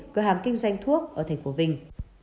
cửa hàng kinh doanh thuốc ở thành phố vinh